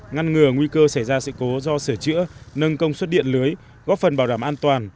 ngăn ngừa nguy cơ xảy ra sự cố do sửa chữa nâng công suất điện lưới góp phần bảo đảm an toàn